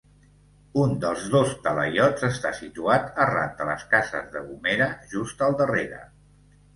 Un dels dos talaiots està situat arran de les cases de Gomera, just al darrere.